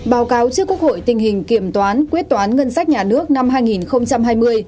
báo cáo trước quốc hội tình hình kiểm toán quyết toán ngân sách nhà nước năm hai nghìn hai mươi